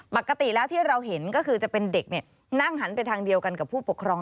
ปกติแล้วที่เราเห็นก็คือจะเป็นเด็กนั่งหันไปทางเดียวกันกับผู้ปกครอง